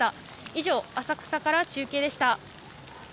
以上、浅草から中継でした。